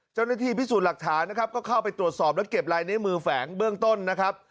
เจ้าหน้าที่พิสูจน์หลักฐานนะครับก็เข้าไปตรวจสอบและเก็บลายนิ้วมือแฝงเบื้องต้นนะครับ